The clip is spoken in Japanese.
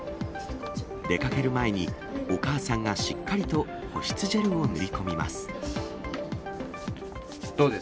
出かける前に、お母さんがしっかりと保湿ジェルを塗り込みます。